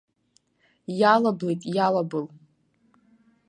Иалаблит, иалабыл!